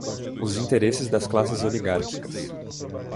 Os interesses das classes oligárquicas